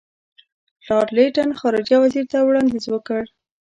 لارډ لیټن خارجه وزیر ته وړاندیز وکړ.